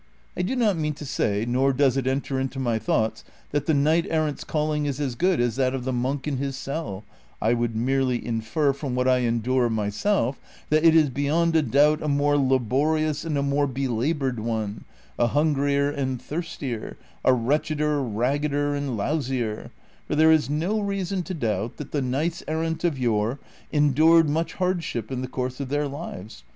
. I do not mean to say, nor does it enter into my thoughts, that the knight errant's calling is as good as that of the monk in his cell ; I would merely infer from what I endure myself that it is beyond a doubt a more laborious and a more belabored one, a hungrier and thirstier, a wretcheder, raggeder, and lousier ; for there is no reason to doubt that the knights errant of yore endured much hardship in the course of their lives.